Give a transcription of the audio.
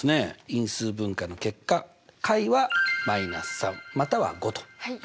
因数分解の結果解は−３または５ということですね。